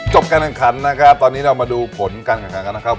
จบการขันต์นะคะตอนนี้เรามาดูผลการขันต์กันนะครับ